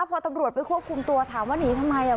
พอตำรวจไปควบคุมตัวถามว่าหนีทำไมอ่ะ